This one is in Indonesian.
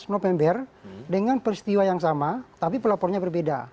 lima belas november dengan peristiwa yang sama tapi pelapornya berbeda